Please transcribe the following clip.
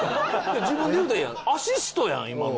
自分で言うたらええやんアシストやん今の。